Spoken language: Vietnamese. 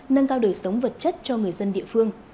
nâng cao đời sống vật chất cho người dân địa phương